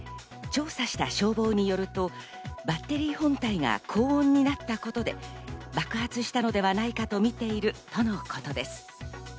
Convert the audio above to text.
調査した消防によると、バッテリー本体が高温になったことで、爆発したのではないかとみているとのことです。